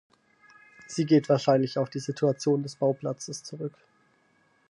Sie geht wahrscheinlich auf die Situation des Bauplatzes zurück.